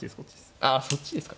あそっちですか。